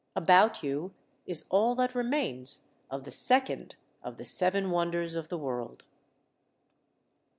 About you is all that remains of the second of the Seven Wonders of the World.